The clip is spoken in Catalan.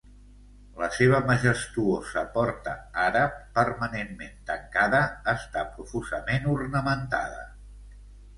La seva majestuosa porta àrab, permanentment tancada, està profusament ornamentada.